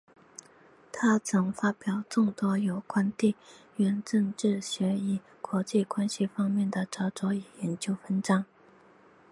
他曾发表众多有关地缘政治学与国际关系方面的着作与研究文章。